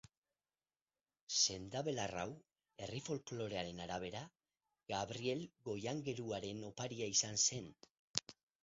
Sendabelar hau, herri folklorearen arabera, Gabriel goiaingeruaren oparia izan zen.